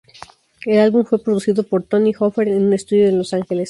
El álbum fue producido por Tony Hoffer en un estudio en Los Ángeles.